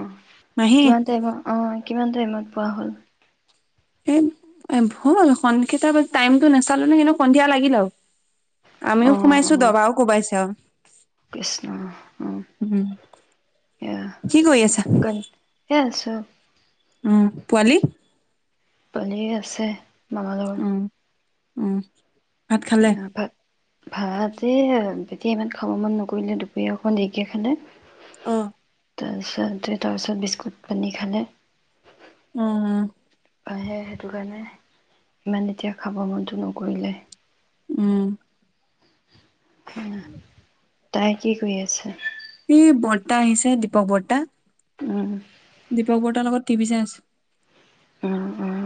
অ মাহী কিমান টাইমত অ কিমান টাইমত পোৱা হ'ল? এই হল কেইটা টাইমটো নাচালো নহয় কিন্তু সন্ধিয়া লাগিল আৰু। আমিও অ' সোমাইছো অ' দবাও কোবাইছে আৰু। কৃষ্ণ অ উম এয়া কি কৰি আছা কন এই আছো। উম পোৱালি? পোৱালি আছে। মামাৰ লগত উম উম। ভাত খালে [unintelligible] ভাত এয়া এতিয়া ইমান খাব মন নকৰিলে দুপৰীয়া অকনমান দেৰিকে খালে অ তাৰপিছতে তাৰপিছত বিস্কুট পানী খালে উম আহে সেইটো কাৰণে ইমান এতিয়া খাব মন নকৰিলে। উম তাই কি কৰি আছে? এই বৰ্তা আহিছে দীপক বৰ্তা উম দীপক বৰ্তা লগত টিভি চাই আছে। উম উম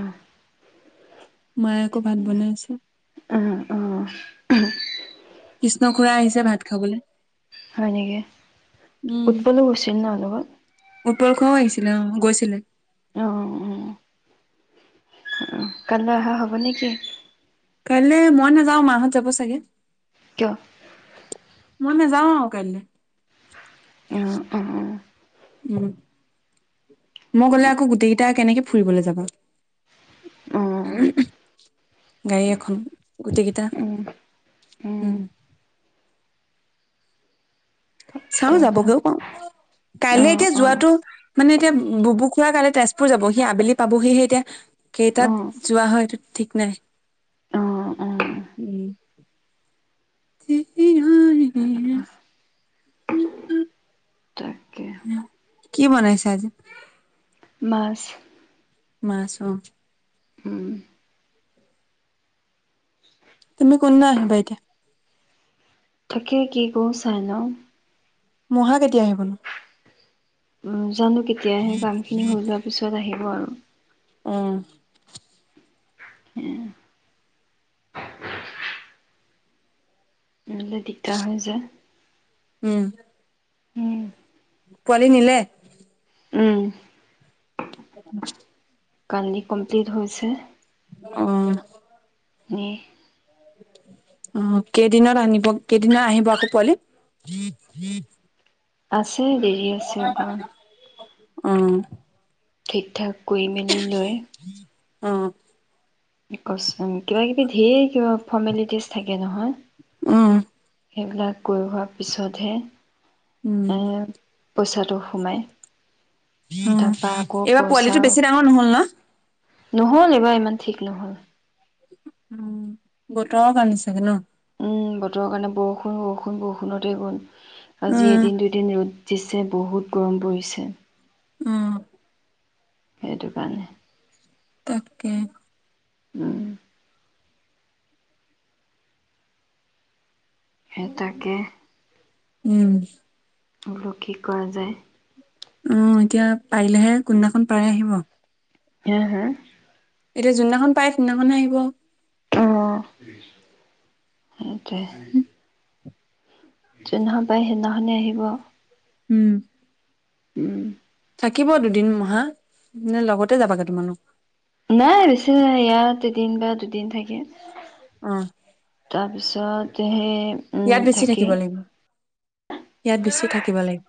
মায়ে আকৌ ভাত বনাই আছে। অ অ। কৃষ্ণ খুৰা আহিছে ভাত খাবলৈ। হয় নেকি উম উৎপলো গৈছিল ন লগত? উৎপল খুৰাও আহিছিলে অ গৈছিলে। অ অ অ কাইলৈ অহা হ'ব নে কি? কাইলৈ মই নাযাওঁ মাহঁত যাব চাগে। কিয়? মই নাযাওঁ আৰু কাইলৈ অঁ অঁ। উম, মই গলে আকৌ গোটেই কেইটা কেনেকে ফুৰিবলৈ যাবা? উম, উম, [inaudible] গাড়ী এখন গোটেইকেইটা অ', উম চাওঁ যাবগেও অ', পাৰো, কাইলে এতিয়া যোৱাটো মানে এতিয়া বুবু খুৰা কাইলে তেজপুৰ যাব। সি আবেলি পাবহি হে এতিয়া। অ', কেইটাত যোৱা হয় এইটো ঠিক নাই। অ', অ', উম [unintelligible] তাকে উ কি বনাইছা আজি? মাছ। মাছ অ। উম তুমি কোনদিনা আহিবা এতিয়া? তাকেই কি কৰো চাই লওঁ। মহা কেতিয়া আহিবনো? উ জানো কেতিয়া আহে, কামখিনি হৈ যোৱাৰ পিছত আহিব আৰু। উম ইহ নলে যে দিগদাৰ হৈ যে। উম উম পোৱালি নিলে? উম কালি কমপ্লিট হৈছে অঁ উম অ কেইদিনত আনিব? কেইদিনত আহিব আকৌ পোৱালি? আছে দেৰি আছে অকমান। অঁ ঠিক ঠাক কৰি মেলি লৈ। অ অক সুণ কিবা কিবি ধেৰ কিবা ফৰ্মেলিটিজ থাকে নহয়। অঁ। সেইবিলাক কৰি হোৱাৰ পিছতহে। উম এ পইছাটো সোমাই। উ তাৰপা আকৌ এইবাৰ পইচা পোৱালিটো বেছি ডাঙৰ নহল ন? নহ'ল এইবাৰ ইমান ঠিক নহল। উম, বতৰৰ কাৰণে চাগে ন? উ বতৰৰ কাৰণে। বৰষুণ বৰষুণ বৰষুণতে গ'ল। আজি উম। এদিন দু দিন ৰ'দ দিছে বহুত গৰম পৰিছে। উম। সেইটো কাৰণে। তা কে। উম। হে তাকে। উম। বোলো কি কৰা যায়? উ এতিয়া পাৰিলেহে, কোনদিনাখন পাৰে আহিব। হে হে? এতিয়া যোনদিনাখন পায় সুনদিনাখনহে আহিব। অঁ, যুননাখন পায় সেইনাখনে আহিব। উম। উম। থাকিব দুদিন মহা নে লগতে যাবাগে তোমালোক নাই বেছি নাই ইয়াত এদিন বা দুদিন থাকিম। অ। তাৰপিছতে সেই উম ইয়াত বেছি থাকি থাকিব লাগিব ইয়াত বেছি থাকিব লাগিব।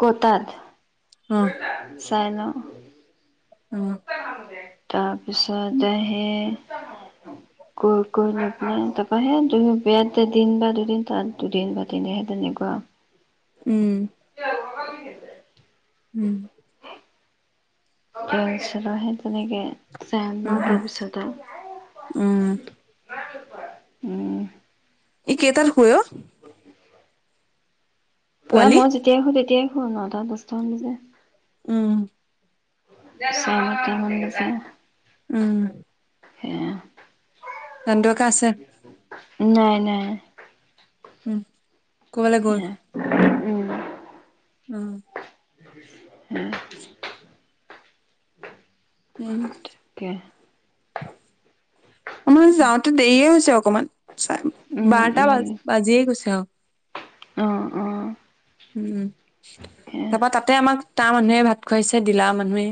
কত তাত চাই লওঁ। উম। তাৰপিছতে সেই কৈ কৈ লৈ পেলাই, তাৰপৰা সেই দু, ইয়াত দুদিন বা দুদিন তাত দুদিন বা তিনিদিন সেই তেনেকুৱা উম। [unintelligible] উম। তাৰ পিছত আৰু সেই তেনেকে উম, হম, তাৰ পিছতে উম। উম ই কেইতাত শুৱে অ [inaudible] পোৱালি? মই যেতিয়াই শুৱ তেতিয়াই শুৱে নটা দচটামান বজাত উম, চাৰে নটা মান বজাত উম। সেয়া। নন্দুৱে কা আছে নাই নাই। উম ক'বালে গ'ল সেয়া উম। উম। উম। উম। তাকে। মই আজি যাওঁতে দেৰিয়ে হৈছে অকনমান চাৰে উম বাৰটা বা উম বাজিয়ে গৈছে আৰু। অ অ উম অ', তাৰপা তাতে আমাক তাৰ মানুহে ভাত খুৱাইছে ডিলাৰ' মানুহে।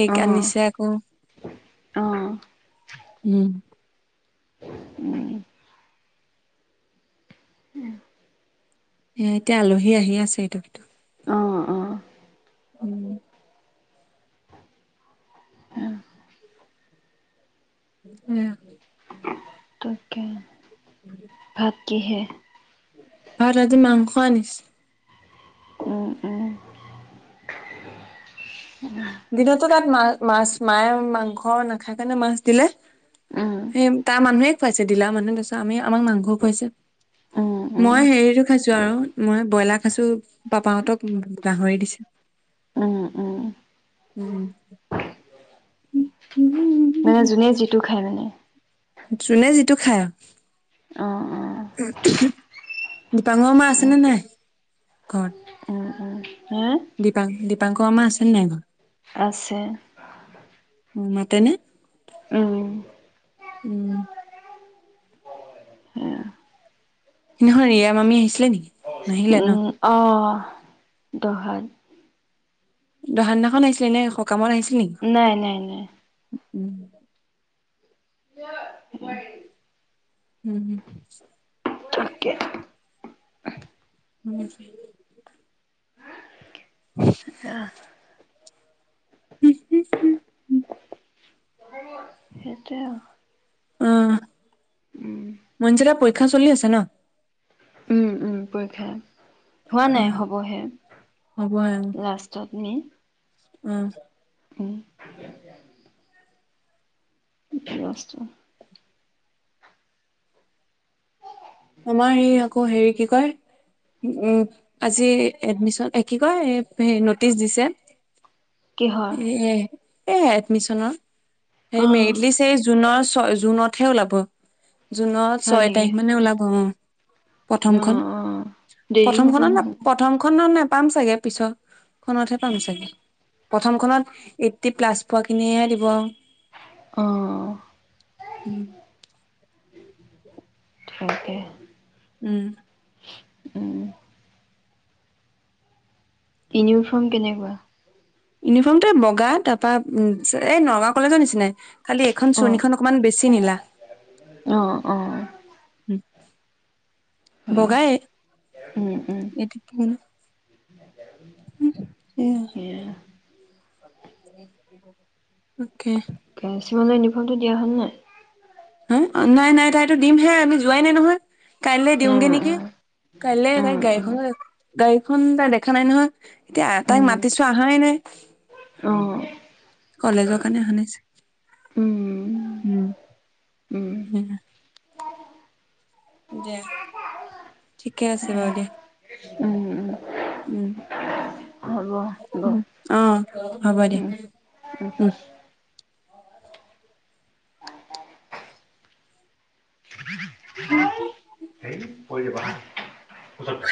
কেক আনিছে আকৌ অ', উম। উম। এ, এতিয়া আলহী আহি আছে এইটো অ', অ', উম। উম। তাকে ভাত কিহে ভাত আজি মাংস আনিছে। উম উম। দিনতো তাত মা মাছ মায়ে মাংস নাখাই কাৰণে মাছ দিলে। উম, সেই তাৰ মানুহে খুৱাইছে ডিলাৰ' মানুহে তাৰপিছত আমি আমাক মাংস খুৱাইছে। উম, উম, মই হেৰিটো খাইছো আৰু মই ব্ৰইলাৰ খাইছো পাপাহতক গাহৰি দিছে। উম উম। উম। মানে যোনে, যিটো খায় মানে। যোনে যিটো খাই আৰু। অ', অ',। ডাঙৰ মা আছে উম, নে নাই ঘৰত? উম, উম, হা দীপাং দীপাংকৰ আমাৰ আছেনে নাই ঘৰ? আছে। উম, মাতেনে? উম। উম। সিদিনা খন ৰিয়া মামী আহিছিলে নেকি? নাহিলে ন? উম, অ', দহাত। দহা দিনাখন আহিছিলে এনে সকামত আহছিল নেকি? নাই, নাই, নাই। উম। [inaudible] [inaudible] [inaudible] [inaudible] [inaudible] [inaudible] [inaudible] সেইটোৱেই আৰু। উম। [inaudible] মনজিতৰ পৰীক্ষা চলি আছে ন? উম, উম, পৰীক্ষা। হোৱা নাই, হ'বহে হ'ব লাষ্টত নি। উম। [inaudible] [inaudible] আমাৰ এই আকৌ, হেৰি কি কয় উম, আজি এডমিশন, কি কয় নটিচ দিছে। কিহৰ? এ, এ এডমিচনৰ অ হে মেৰিট লিষ্ট হে জুনৰ ছয়, জুনতহে ওলাব জুনত হয় ছয় নেকি তাৰিখ মানে ওলাব অ'। অ প্ৰথমখন, অ দেৰি হ'ব প্ৰথমখনত নহয় প্ৰথমখন নেপাম চাগে। পিছৰ খনত হে পাম চাগে। প্ৰথমখনত এইট্টি প্লাছ পোৱাখিনিহে দিব। অ [inaudible] তাকে। উম। উম ইউনিফৰ্ম কেনেকুৱা? ইউনিফৰ্মটো বগা, তাৰপৰা উম, এই নগাঁও কলেজৰ নিচিনাই। খালি এখন অ চুৰণীখন অকণমান বেছি নীলা। অ অ উম উম বগায়ে। [unintelligible] [unintelligible] অ'কে! [unintelligible] ইউনিফৰ্মটো দিয়া হ'ল নাই? উম, নাই নাই, তাইতো দিমহে। আমি যোৱাই নাই নহয়। কাইলে অ দিওঁগে নেকি? কাইল অ অ তাই গাড়ী অ খন গাড়ীখন তাই দেখা নাই নহয় এতিয়া তাইক উম মাতিছো আহাই নাই। অ'। কলেজৰ কাৰণে আহা নাই উম চাগে। উম। দে ঠিকে আছে বাৰু দিয়া। উম উম হ'ব হ'ব অ' হ'ব দে। উম উম উম। পৰি যাবা ওচৰতে